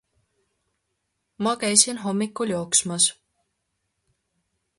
Ma käisin hommikul jooksmas